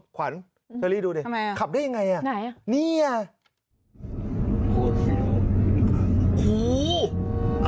ขวัญเฮลี่ดูดิขับได้ยังไงอ่ะนี้อ่ะ